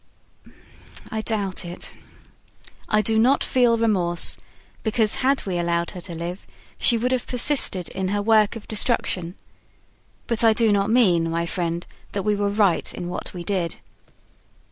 I doubt it. I do not feel remorse, because had we allowed her to live she would have persisted in her work of destruction. But I do not mean, my friend that we were right in what we did.